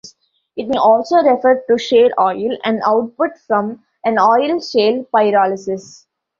It may also refer to shale oil, an output from an oil shale pyrolysis.